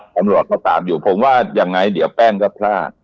ตำรวจก็ตามอยู่ผมว่ายังไงเดี๋ยวแป้งก็พลาด